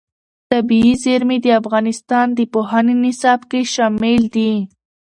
طبیعي زیرمې د افغانستان د پوهنې نصاب کې شامل دي.